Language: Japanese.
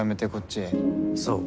そう。